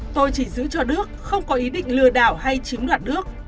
tôi chỉ giữ cho đức không có ý định lừa đảo hay chiếm đoạt nước